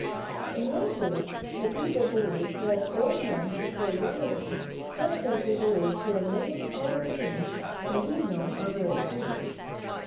In those days the people believed that old men could grow young again, just as they |:';;• believed many other things that we now know are very foolish.